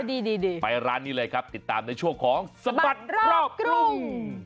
ดีไปร้านนี้เลยครับติดตามในช่วงของสบัดรอบกรุง